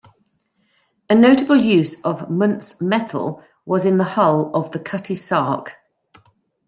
A notable use of Muntz Metal was in the hull of the Cutty Sark.